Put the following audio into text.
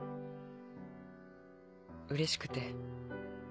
うれしくて。